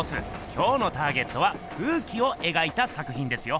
今日のターゲットは空気を描いた作ひんですよ。